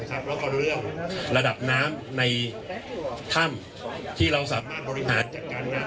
แล้วก็เรื่องระดับน้ำในถ้ำที่เราสามารถบริหารจัดการน้ำ